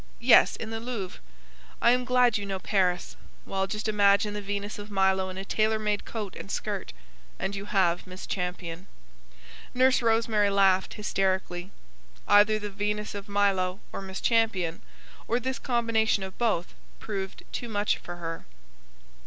Yes; in the Louvre. I am glad you know Paris. Well, just imagine the Venus of Milo in a tailor made coat and skirt, and you have Miss Champion." Nurse Rosemary laughed, hysterically. Either the Venus of Milo, or Miss Champion, or this combination of both, proved too much for her.